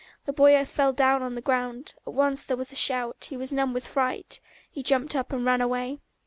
The boy fell down on the ground, at once there was a shout, he was numb with fright, he jumped up and ran away.